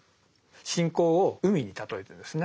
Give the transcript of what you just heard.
信仰を海に例えてですね